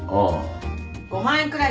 ５万円くらいだよ。